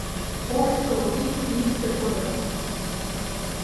Ошкыл икте, икте кодын –